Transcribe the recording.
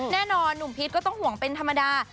แน่นอนหนุ่มพีชก็ต้องห่วงเป็นธรรมดา